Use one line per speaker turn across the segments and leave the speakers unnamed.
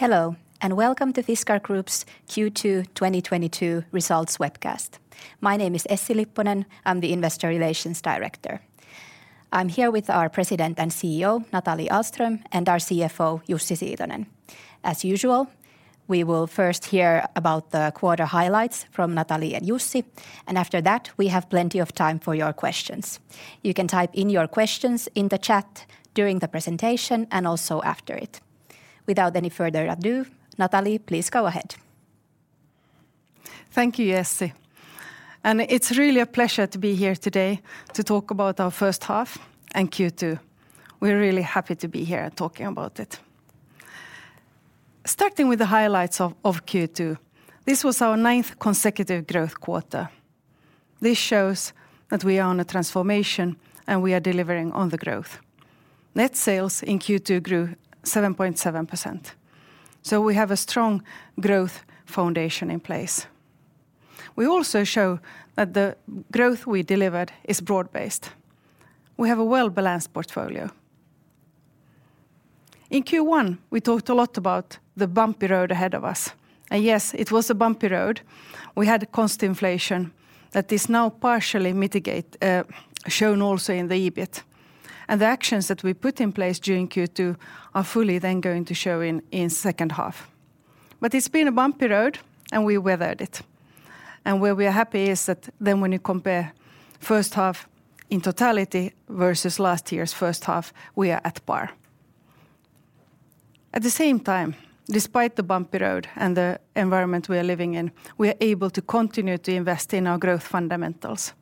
Hello, and welcome to Fiskars Group's Q2 2022 results webcast. My name is Essi Lipponen. I'm the Investor Relations Director. I'm here with our President and CEO, Nathalie Ahlström, and our CFO, Jussi Siitonen. As usual, we will first hear about the quarter highlights from Nathalie and Jussi, and after that, we have plenty of time for your questions. You can type in your questions in the chat during the presentation and also after it. Without any further ado, Nathalie, please go ahead.
Thank you, Essi. It's really a pleasure to be here today to talk about our first half and Q2. We're really happy to be here talking about it. Starting with the highlights of Q2, this was our ninth consecutive growth quarter. This shows that we are on a transformation, and we are delivering on the growth. Net sales in Q2 grew 7.7%, so we have a strong growth foundation in place. We also show that the growth we delivered is broad-based. We have a well-balanced portfolio. In Q1, we talked a lot about the bumpy road ahead of us, and yes, it was a bumpy road. We had cost inflation that is now partially mitigated, shown also in the EBIT. The actions that we put in place during Q2 are fully then going to show in second half. It's been a bumpy road, and we weathered it. Where we're happy is that then when you compare first half in totality versus last year's first half, we are at par. At the same time, despite the bumpy road and the environment we are living in, we are able to continue to invest in our growth fundamentals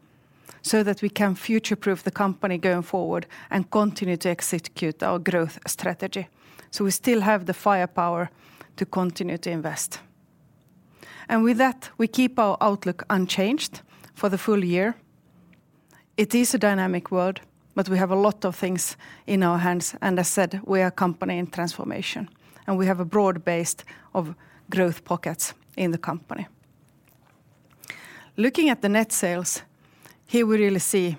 so that we can future-proof the company going forward and continue to execute our growth strategy. We still have the firepower to continue to invest. With that, we keep our outlook unchanged for the full year. It is a dynamic world, but we have a lot of things in our hands, and as said, we are a company in transformation, and we have a broad base of growth pockets in the company. Looking at the net sales, here we really see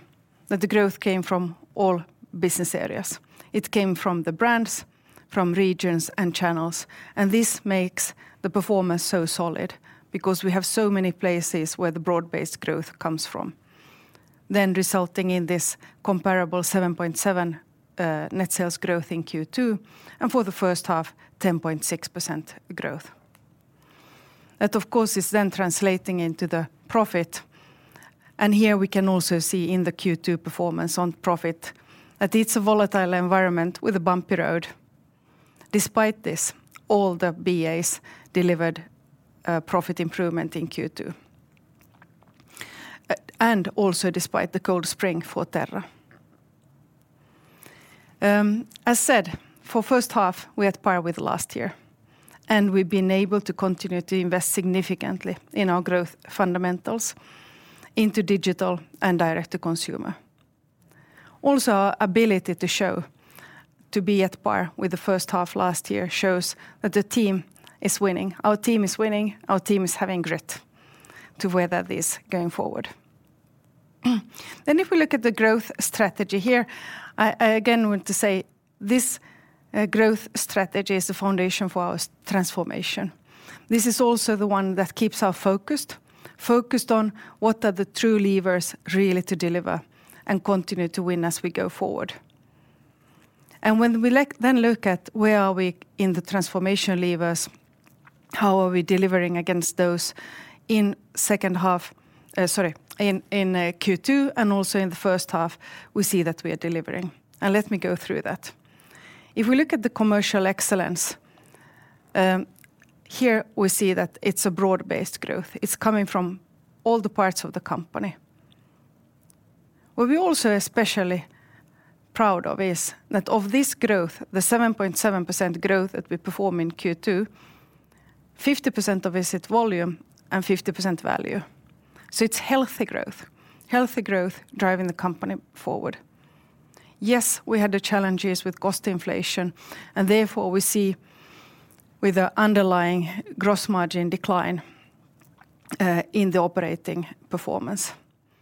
that the growth came from all business areas. It came from the brands, from regions, and channels, and this makes the performance so solid because we have so many places where the broad-based growth comes from. Resulting in this comparable 7.7% net sales growth in Q2, and for the first half, 10.6% growth. That, of course, is then translating into the profit, and here we can also see in the Q2 performance on profit that it's a volatile environment with a bumpy road. Despite this, all the BAs delivered profit improvement in Q2. Also despite the cold spring for Terra. As said, for first half, we are at par with last year, and we've been able to continue to invest significantly in our growth fundamentals into digital and direct to consumer. Also, our ability to show to be at par with the first half last year shows that the team is winning. Our team is winning, our team is having grit to weather this going forward. If we look at the growth strategy here, I again want to say this, growth strategy is the foundation for our transformation. This is also the one that keeps us focused. Focused on what are the true levers really to deliver and continue to win as we go forward. When we then look at where are we in the transformation levers, how are we delivering against those in second half in Q2 and also in the first half, we see that we are delivering. Let me go through that. If we look at the commercial excellence, here we see that it's a broad-based growth. It's coming from all the parts of the company. What we're also especially proud of is that of this growth, the 7.7% growth that we perform in Q2, 50% of it is at volume and 50% value. It's healthy growth. Healthy growth driving the company forward. Yes, we had the challenges with cost inflation, and therefore we see with the underlying gross margin decline in the operating performance.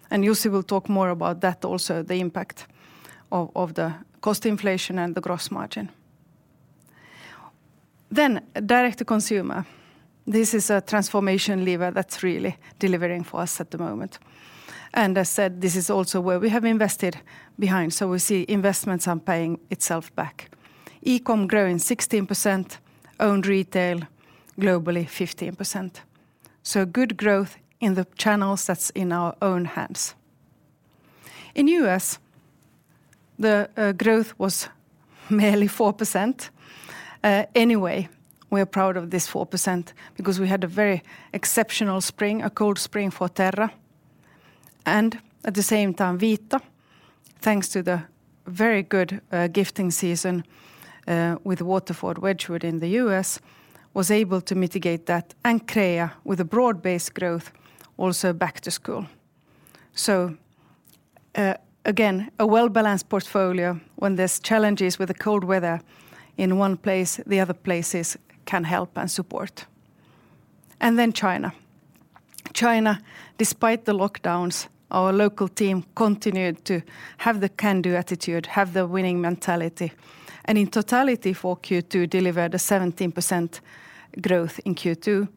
Jussi will talk more about that also, the impact of the cost inflation and the gross margin. Direct to consumer. This is a transformation lever that's really delivering for us at the moment. As said, this is also where we have invested behind. We see investments are paying itself back. E-com growing 16%, own retail globally 15%. Good growth in the channels that's in our own hands. In U.S., the growth was merely 4%. Anyway, we are proud of this 4% because we had a very exceptional spring, a cold spring for Terra. At the same time, Vita, thanks to the very good gifting season with Waterford Wedgwood in the U.S., was able to mitigate that. Crea, with a broad-based growth, also back to school. Again, a well-balanced portfolio. When there's challenges with the cold weather in one place, the other places can help and support. Then China. China, despite the lockdowns, our local team continued to have the can-do attitude, have the winning mentality, and in totality for Q2 delivered a 17% growth in Q2.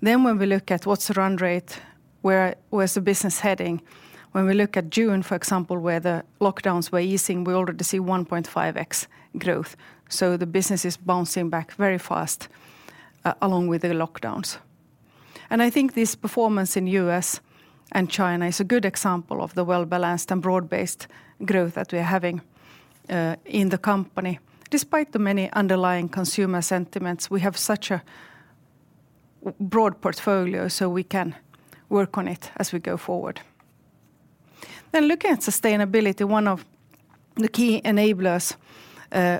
When we look at what's the run rate, where's the business heading? When we look at June, for example, where the lockdowns were easing, we already see 1.5x growth. The business is bouncing back very fast along with the lockdowns. I think this performance in U.S. and China is a good example of the well-balanced and broad-based growth that we are having in the company. Despite the many underlying consumer sentiments, we have such a broad portfolio, so we can work on it as we go forward. Looking at sustainability, one of the key enablers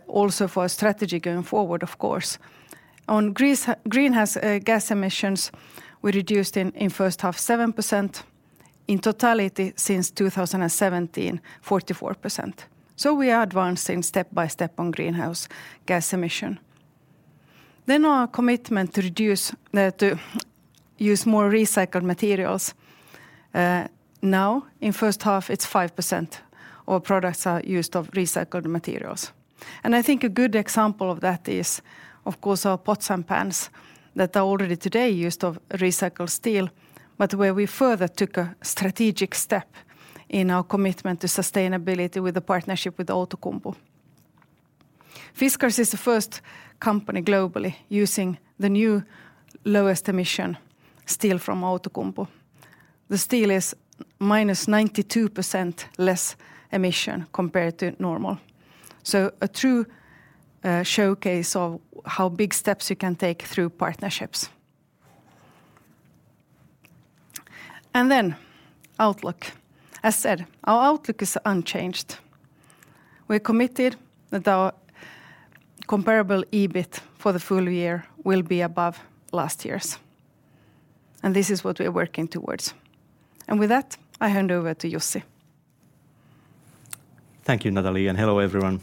also for our strategy going forward, of course. On greenhouse gas emissions, we reduced in first half 7%. In totality since 2017, 44%. We are advancing step by step on greenhouse gas emissions. Our commitment to reduce to use more recycled materials. Now in first half it's 5% our products are used of recycled materials. I think a good example of that is, of course, our pots and pans that are already today used of recycled steel, but where we further took a strategic step in our commitment to sustainability with a partnership with Outokumpu. Fiskars is the first company globally using the new lowest emission steel from Outokumpu. The steel is -92% less emission compared to normal, so a true showcase of how big steps you can take through partnerships. Outlook. As said, our outlook is unchanged. We're committed that our comparable EBIT for the full year will be above last year's. This is what we are working towards. With that, I hand over to Jussi.
Thank you, Nathalie, and hello, everyone.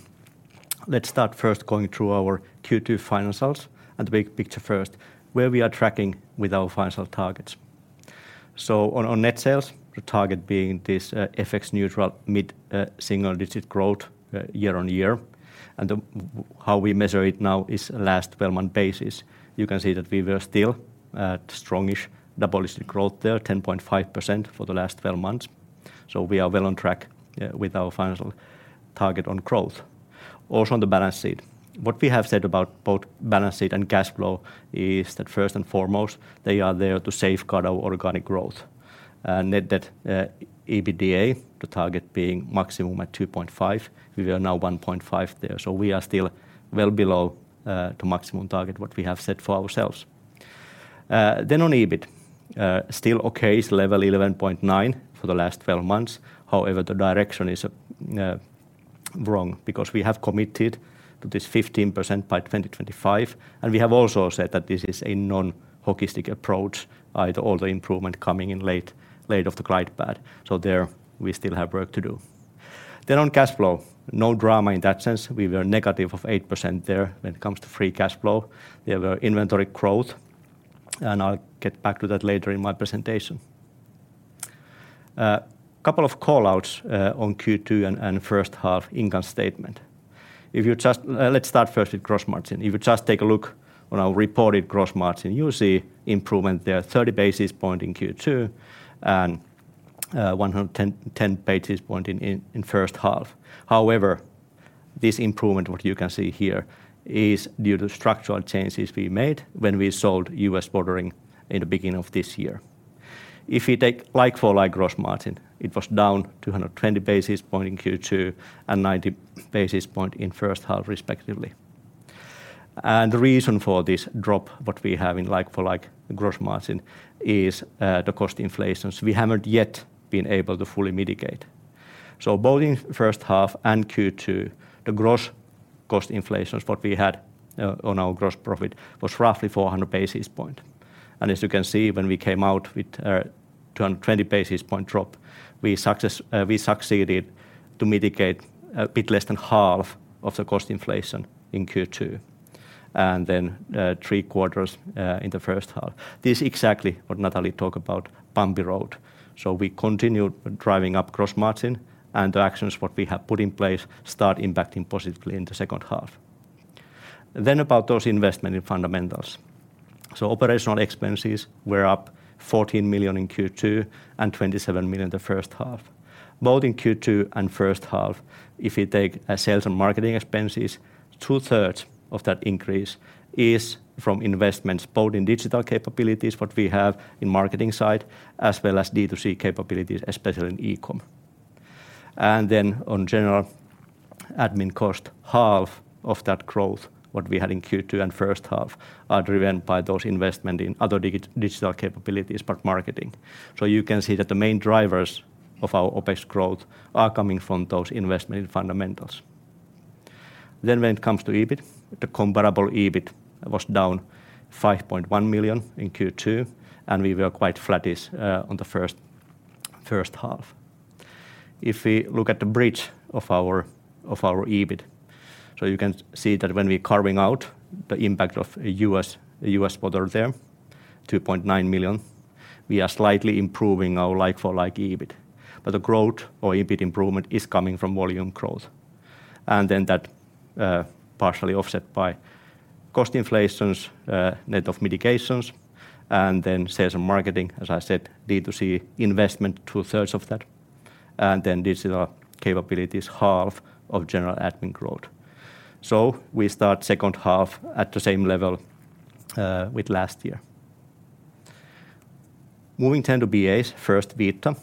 Let's start first going through our Q2 financials and the big picture first, where we are tracking with our financial targets. On net sales, the target being FX neutral mid single digit growth year-on-year. How we measure it now is last twelve-month basis. You can see that we were still at strong-ish double digit growth there, 10.5% for the last twelve months. We are well on track with our financial target on growth. Also on the balance sheet, what we have said about both balance sheet and cash flow is that first and foremost, they are there to safeguard our organic growth. Net debt to EBITDA, the target being maximum at 2.5. We are now 1.5 there. We are still well below the maximum target what we have set for ourselves. On EBIT, still okay. It's level 11.9 for the last twelve months. However, the direction is wrong because we have committed to this 15% by 2025, and we have also said that this is a non-hockey stick approach. All the improvement coming in late of the glide path, there we still have work to do. On cash flow, no drama in that sense. We were negative 8% there when it comes to free cash flow. We have inventory growth, and I'll get back to that later in my presentation. A couple of call-outs on Q2 and first half income statement. Let's start first with gross margin. If you just take a look on our reported gross margin, you'll see improvement there, 30 basis points in Q2 and 110 basis points in first half. However, this improvement, what you can see here, is due to structural changes we made when we sold U.S. Watering business in the beginning of this year. If you take like-for-like gross margin, it was down 220 basis points in Q2 and 90 basis points in first half respectively. The reason for this drop that we have in like-for-like gross margin is the cost inflation we haven't yet been able to fully mitigate. Both in first half and Q2, the gross cost inflation that we had on our gross profit was roughly 400 basis points. As you can see, when we came out with 220 basis point drop, we succeeded to mitigate a bit less than half of the cost inflation in Q2, and then three-quarters in the first half. This exactly what Nathalie talk about bumpy road. We continued driving up gross margin and the actions what we have put in place start impacting positively in the second half. About those investment in fundamentals. Operational expenses were up 14 million in Q2 and 27 million the first half. Both in Q2 and first half, if you take sales and marketing expenses, 2/3 of that increase is from investments both in digital capabilities what we have in marketing side, as well as D2C capabilities, especially in e-com. On general admin cost, half of that growth, what we had in Q2 and first half, are driven by those investment in other digital capabilities but marketing. You can see that the main drivers of our OpEx growth are coming from those investment in fundamentals. When it comes to EBIT, the comparable EBIT was down 5.1 million in Q2, and we were quite flattish on the first half. If we look at the bridge of our EBIT. You can see that when we're carving out the impact of U.S. Watering there, 2.9 million, we are slightly improving our like-for-like EBIT. The growth or EBIT improvement is coming from volume growth. That partially offset by cost inflations, net of mitigations, and then sales and marketing, as I said, D2C investment, 2/3 of that. Digital capabilities, half of general admin growth. We start second half at the same level with last year. Moving to BAs, first Vita,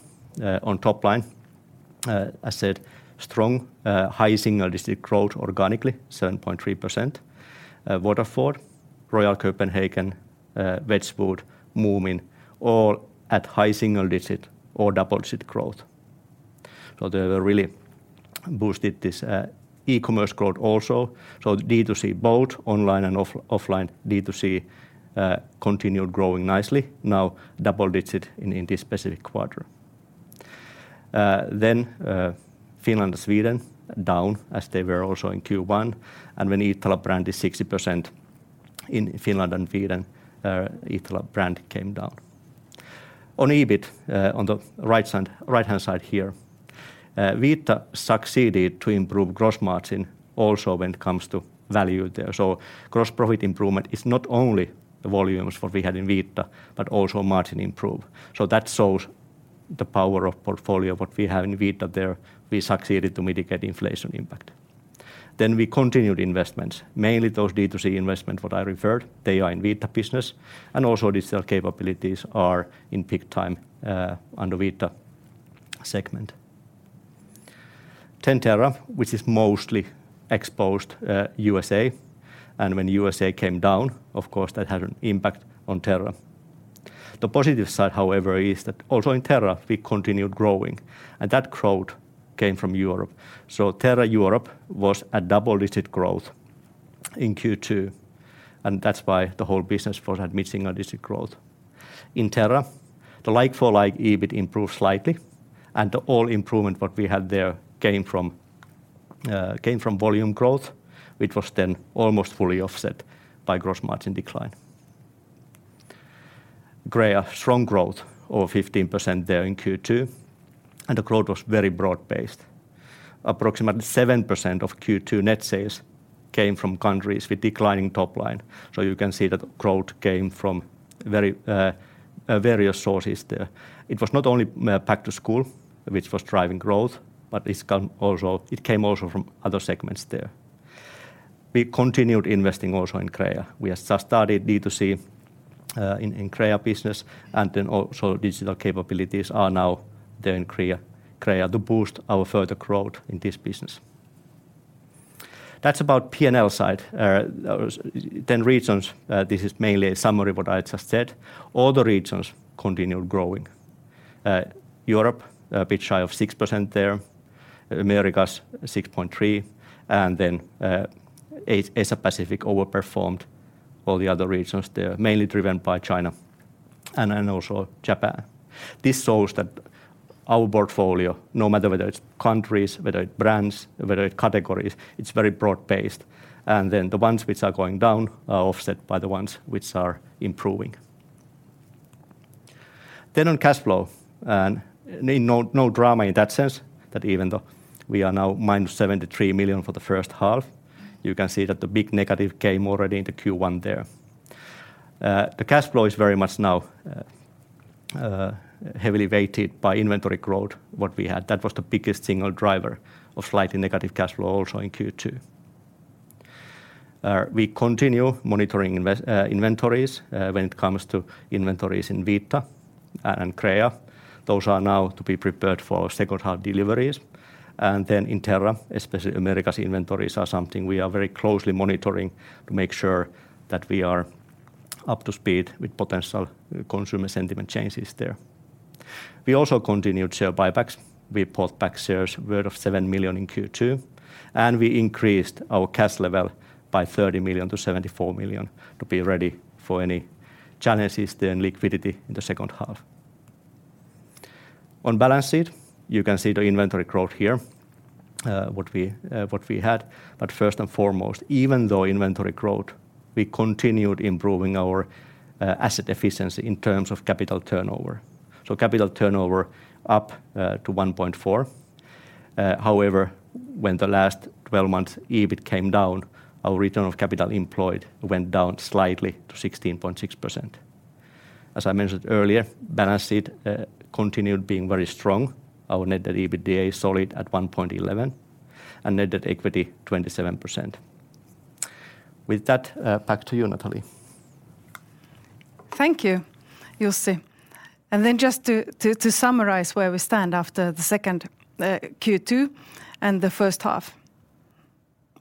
on top line. As said, strong, high single-digit growth organically, 7.3%. Waterford, Royal Copenhagen, Wedgwood, Moomin, all at high single-digit or double-digit growth. They really boosted this e-commerce growth also. D2C both online and offline D2C continued growing nicely, now double-digit in this specific quarter. Finland and Sweden down as they were also in Q1. When Iittala brand is 60% in Finland and Sweden, Iittala brand came down. On EBIT, on the right side, right-hand side here, Vita succeeded to improve gross margin also when it comes to value there. Gross profit improvement is not only the volumes that we had in Vita, but also margin improvement. That shows the power of portfolio that we have in Vita there; we succeeded to mitigate inflation impact. We continued investments, mainly those D2C investments that I referred to; they are in Vita business, and also digital capabilities are in big time under Vita segment. Terra, which is mostly exposed to the U.S., and when the U.S. came down, of course, that had an impact on Terra. The positive side, however, is that also in Terra, we continued growing, and that growth came from Europe. Terra Europe was a double-digit growth in Q2, and that's why the whole business was at mid-single-digit growth. In Terra, the like-for-like EBIT improved slightly, and all improvement what we had there came from volume growth, which was then almost fully offset by gross margin decline. Crea, strong growth of 15% there in Q2, and the growth was very broad-based. Approximately 7% of Q2 net sales came from countries with declining top line. You can see that growth came from very various sources there. It was not only back to school, which was driving growth, but it came also from other segments there. We continued investing also in Crea. We have just started D2C in Crea business, and then also digital capabilities are now there in Crea to boost our further growth in this business. That's about P&L side. Those 10 regions, this is mainly a summary of what I just said. All the regions continued growing. Europe, a bit shy of 6% there. Americas, 6.3%. Then, Asia Pacific overperformed all the other regions. They're mainly driven by China and then also Japan. This shows that our portfolio, no matter whether it's countries, whether it's brands, whether it's categories, it's very broad-based. Then the ones which are going down are offset by the ones which are improving. Then on cash flow, no drama in that sense, that even though we are now -73 million for the first half, you can see that the big negative came already in the Q1 there. The cash flow is very much now, heavily weighted by inventory growth, what we had. That was the biggest single driver of slightly negative cash flow also in Q2. We continue monitoring inventories when it comes to inventories in Vita and Crea. Those are now to be prepared for our second half deliveries. Then in Terra, especially America's inventories are something we are very closely monitoring to make sure that we are up to speed with potential consumer sentiment changes there. We also continued share buybacks. We bought back shares worth 7 million in Q2, and we increased our cash level by 30 million to 74 million to be ready for any challenges there in liquidity in the second half. On balance sheet, you can see the inventory growth here, what we had. First and foremost, even though inventory growth, we continued improving our asset efficiency in terms of capital turnover. Capital turnover up to 1.4. However, when the last twelve-month EBIT came down, our return of capital employed went down slightly to 16.6%. As I mentioned earlier, balance sheet continued being very strong. Our net debt EBITDA is solid at 1.11, and net debt equity 27%. With that, back to you, Nathalie.
Thank you, Jussi. Just to summarize where we stand after the second Q2 and the first half.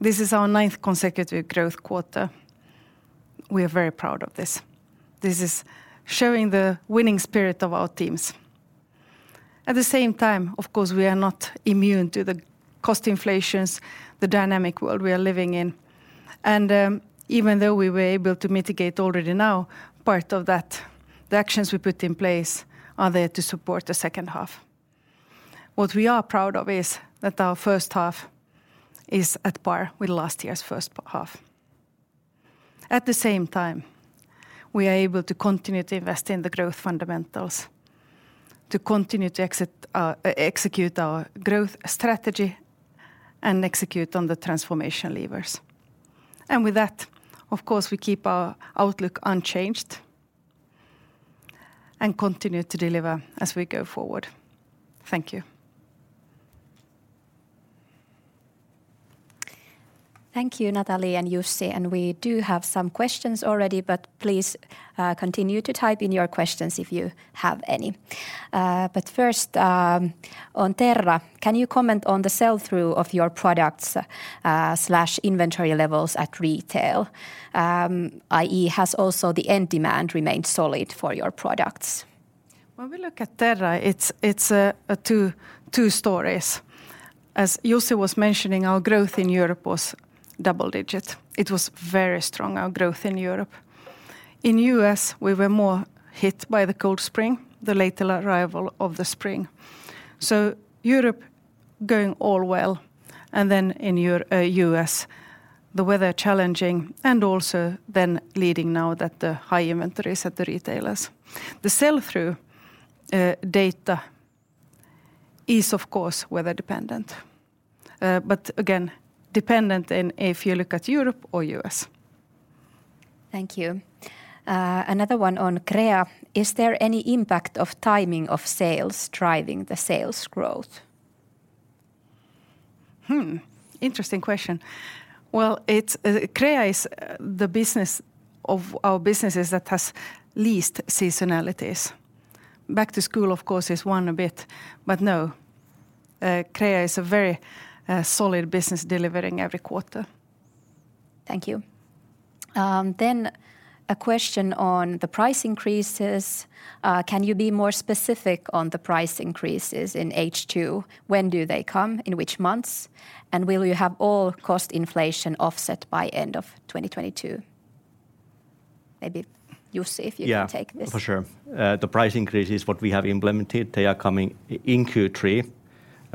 This is our ninth consecutive growth quarter. We are very proud of this. This is showing the winning spirit of our teams. At the same time, of course, we are not immune to the cost inflations, the dynamic world we are living in. Even though we were able to mitigate already now part of that, the actions we put in place are there to support the second half. What we are proud of is that our first half is at par with last year's first half. At the same time, we are able to continue to invest in the growth fundamentals to continue to execute our growth strategy and execute on the transformation levers. With that, of course, we keep our outlook unchanged and continue to deliver as we go forward. Thank you.
Thank you, Nathalie and Jussi. We do have some questions already, but please, continue to type in your questions if you have any. But first, on Terra, can you comment on the sell-through of your products, slash inventory levels at retail? i.e., has also the end demand remained solid for your products?
When we look at Terra, it's two stories. As Jussi was mentioning, our growth in Europe was double digits. It was very strong, our growth in Europe. In U.S., we were more hit by the cold spring, the later arrival of the spring. Europe going all well, and then in U.S. the weather challenging and also leading to the high inventories at the retailers. The sell-through data is of course weather dependent. Again, dependent on if you look at Europe or U.S.
Thank you. Another one on Crea. Is there any impact of timing of sales driving the sales growth?
Interesting question. Well, it's Crea is the business of our businesses that has least seasonalities. Back to school of course is one a bit, but no, Crea is a very solid business delivering every quarter.
Thank you. A question on the price increases. Can you be more specific on the price increases in H2? When do they come, in which months? Will you have all cost inflation offset by end of 2022? Maybe Jussi if you can take this.
Yeah, for sure. The price increases what we have implemented, they are coming in Q3,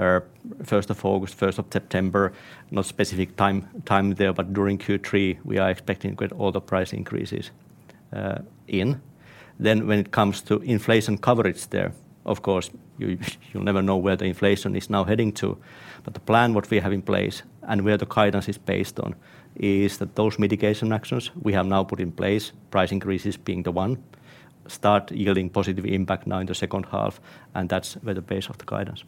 or August 1st, September 1st. No specific time there, but during Q3 we are expecting to get all the price increases in. When it comes to inflation coverage there, of course you never know where the inflation is now heading to, but the plan what we have in place and where the guidance is based on is that those mitigation actions we have now put in place, price increases being the one, start yielding positive impact now in the second half, and that's where the base of the guidance.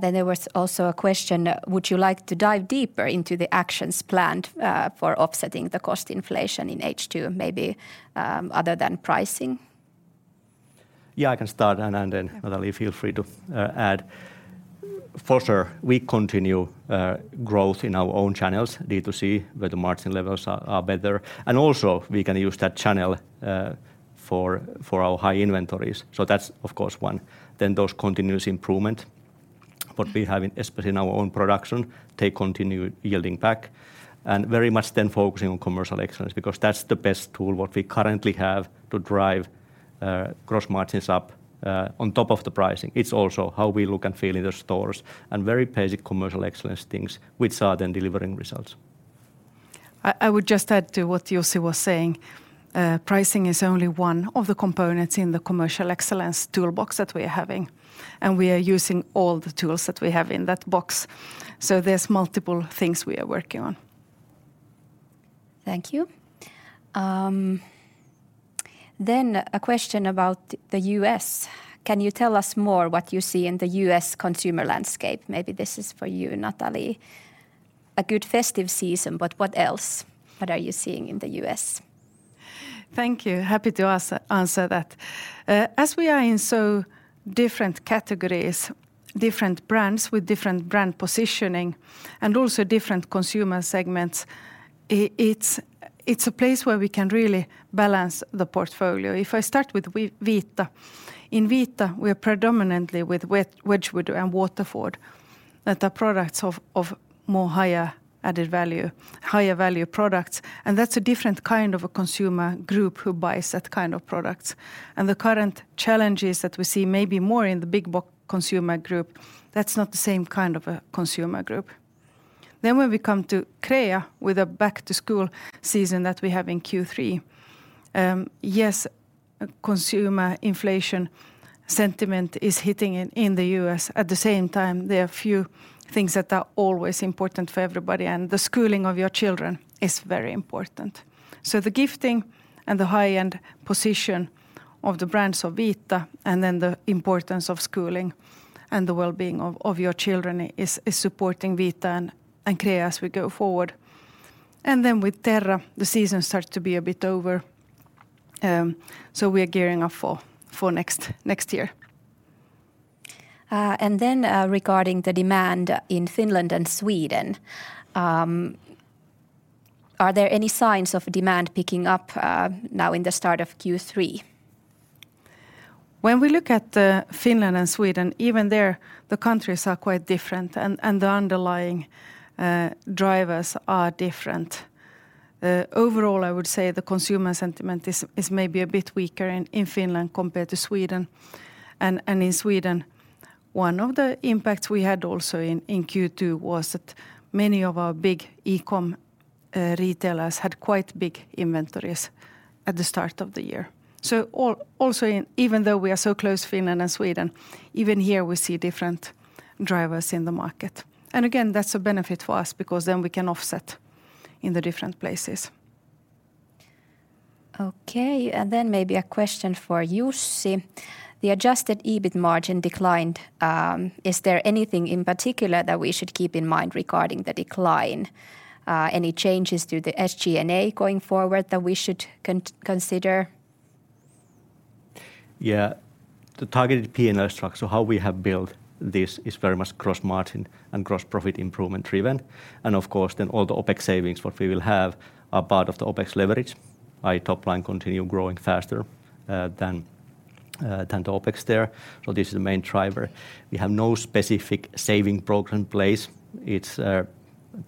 There was also a question. Would you like to dive deeper into the actions planned for offsetting the cost inflation in H2, maybe other than pricing?
Yeah, I can start, and then Nathalie feel free to add. For sure we continue growth in our own channels, D2C, where the margin levels are better, and also we can use that channel for our high inventories. That's of course one. Those continuous improvement what we have in especially in our own production, they continue yielding back. Very much then focusing on commercial excellence because that's the best tool what we currently have to drive gross margins up on top of the pricing. It's also how we look and feel in the stores and very basic commercial excellence things which are then delivering results.
I would just add to what Jussi was saying. Pricing is only one of the components in the commercial excellence toolbox that we are having, and we are using all the tools that we have in that box. There's multiple things we are working on.
Thank you. A question about the U.S. Can you tell us more what you see in the U.S. consumer landscape? Maybe this is for you, Nathalie. A good festive season, but what else, what are you seeing in the U.S.?
Thank you. Happy to answer that. As we are in so different categories, different brands with different brand positioning and also different consumer segments, it's a place where we can really balance the portfolio. If I start with Vita. In Vita, we are predominantly with Wedgwood and Waterford, that are products of more higher added value, higher value products, and that's a different kind of a consumer group who buys that kind of products. The current challenges that we see maybe more in the big consumer group, that's not the same kind of a consumer group. When we come to Crea with a back to school season that we have in Q3, yes, consumer inflation sentiment is hitting in the U.S. At the same time, there are few things that are always important for everybody, and the schooling of your children is very important. The gifting and the high-end position of the brands of Vita and then the importance of schooling and the well-being of your children is supporting Vita and Crea as we go forward. With Terra, the season starts to be a bit over, so we are gearing up for next year.
Regarding the demand in Finland and Sweden, are there any signs of demand picking up now in the start of Q3?
When we look at Finland and Sweden, even there the countries are quite different and the underlying drivers are different. Overall, I would say the consumer sentiment is maybe a bit weaker in Finland compared to Sweden. In Sweden, one of the impacts we had also in Q2 was that many of our big e-com retailers had quite big inventories at the start of the year. Also, even though we are so close, Finland and Sweden, even here we see different drivers in the market. Again, that's a benefit for us because then we can offset in the different places.
Okay. Maybe a question for Jussi. The adjusted EBIT margin declined. Is there anything in particular that we should keep in mind regarding the decline? Any changes to the SG&A going forward that we should consider?
Yeah. The targeted P&L structure, how we have built this, is very much cross-margin and cross-profit improvement driven. Of course, then all the OpEx savings what we will have are part of the OpEx leverage. Our top line continue growing faster than the OpEx there. This is the main driver. We have no specific saving program in place. It's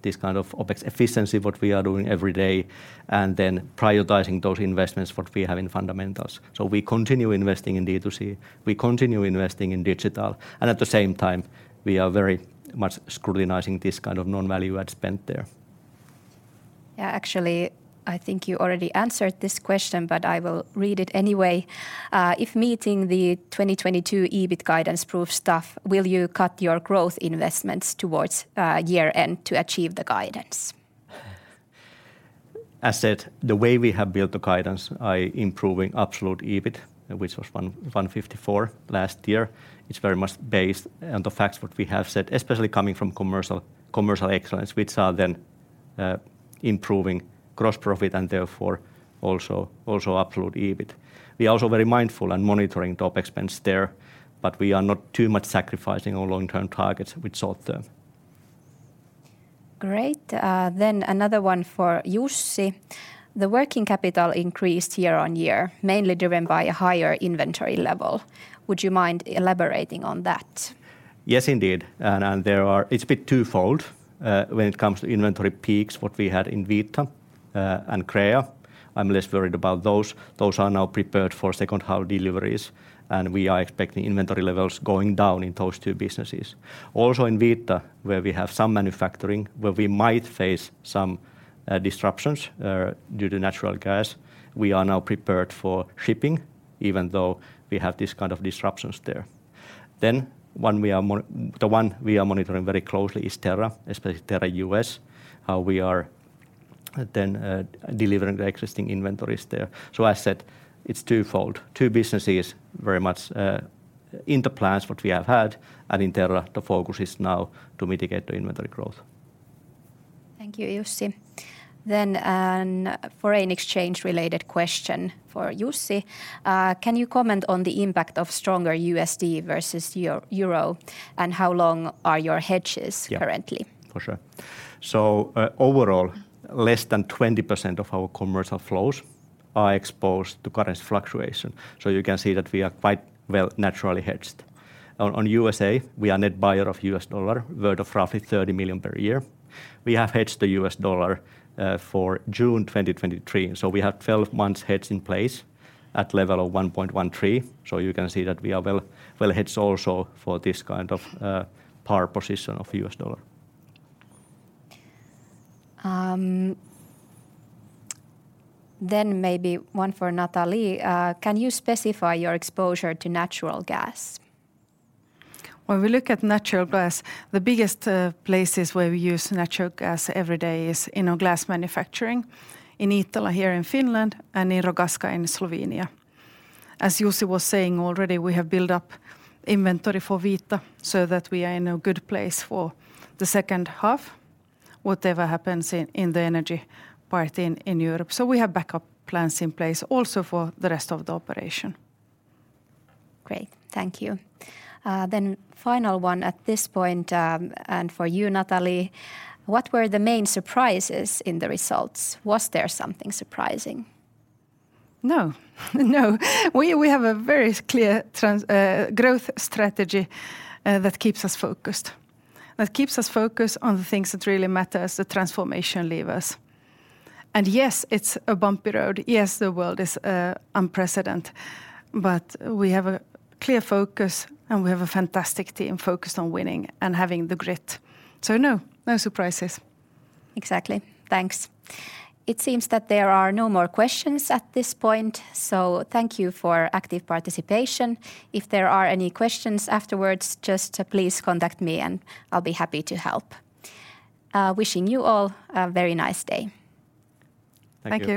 this kind of OpEx efficiency what we are doing every day, and then prioritizing those investments what we have in fundamentals. We continue investing in D2C, we continue investing in digital, and at the same time, we are very much scrutinizing this kind of non-value-add spend there.
Yeah. Actually, I think you already answered this question, but I will read it anyway. If meeting the 2022 EBIT guidance proves tough, will you cut your growth investments towards year-end to achieve the guidance?
As said, the way we have built the guidance by improving absolute EBIT, which was 1,154 last year, it's very much based on the facts what we have set, especially coming from commercial excellence, which are then improving gross profit and therefore also absolute EBIT. We are also very mindful and monitoring OpEx there, but we are not too much sacrificing our long-term targets with short-term.
Great. Another one for Jussi. The working capital increased year-over-year, mainly driven by a higher inventory level. Would you mind elaborating on that?
Yes, indeed. It's a bit twofold. When it comes to inventory peaks, what we had in Vita and Crea, I'm less worried about those. Those are now prepared for second half deliveries, and we are expecting inventory levels going down in those two businesses. Also in Vita, where we have some manufacturing, where we might face some disruptions due to natural gas, we are now prepared for shipping even though we have these kind of disruptions there. The one we are monitoring very closely is Terra, especially Terra U.S., how we are then delivering the existing inventories there. As said, it's twofold. Two businesses very much in the plans what we have had, and in Terra the focus is now to mitigate the inventory growth.
Thank you, Jussi. A foreign exchange related question for Jussi. Can you comment on the impact of stronger U.S.D versus euro, and how long are your hedges currently?
Yeah. For sure. Overall, less than 20% of our commercial flows are exposed to currency fluctuation, so you can see that we are quite well naturally hedged. On U.S., we are net buyer of U.S. dollar, worth of roughly $30 million per year. We have hedged the U.S. dollar for June 2023, so we have 12 months hedge in place at level of 1.13, so you can see that we are well-hedged also for this kind of powerful position of U.S. dollar.
Maybe one for Nathalie. Can you specify your exposure to natural gas?
When we look at natural gas, the biggest places where we use natural gas every day is in our glass manufacturing in Iittala here in Finland and in Rogaška in Slovenia. As Jussi was saying already, we have built up inventory for Vita so that we are in a good place for the second half, whatever happens in the energy part in Europe. We have backup plans in place also for the rest of the operation.
Great. Thank you. Final one at this point, and for you, Nathalie. What were the main surprises in the results? Was there something surprising?
No. We have a very clear growth strategy that keeps us focused. That keeps us focused on the things that really matter as the transformation levers. Yes, it's a bumpy road. Yes, the world is unprecedented, but we have a clear focus, and we have a fantastic team focused on winning and having the grit. No surprises.
Exactly. Thanks. It seems that there are no more questions at this point, so thank you for active participation. If there are any questions afterwards, just please contact me and I'll be happy to help. Wishing you all a very nice day.
Thank you.